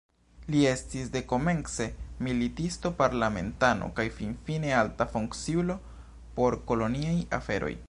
Li estis dekomence militisto, parlamentano kaj finfine alta funkciulo por koloniaj aferoj.